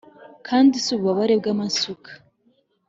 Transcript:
kandi si ububabare bw'amasuka!